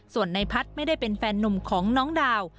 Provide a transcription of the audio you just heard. ส่วนในพัฒน์ไม่ได้เป็นแฟนนุ่มของน้องดาว